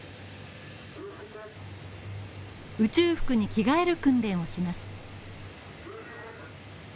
宇宙服に着替える訓練をします。